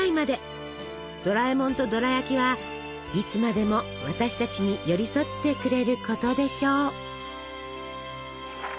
ドラえもんとドラやきはいつまでも私たちに寄り添ってくれることでしょう。